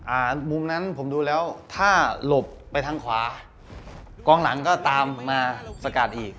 มุมนั้นผมดูแล้วถ้าหลบไปทางขวากองหลังก็ตามมาสกัดอีก